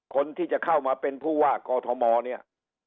คนที่จะเข้ามาเป็นผู้ว่ากอทมเนี่ย